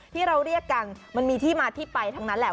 ที่เราเรียกกันมันมีที่มาที่ไปทั้งนั้นแหละ